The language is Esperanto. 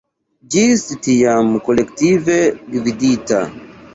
Ĝis tiam kolektive gvidita.